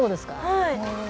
はい。